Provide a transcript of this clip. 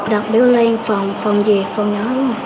đặt đứa lên phòng phòng gì phòng nhỏ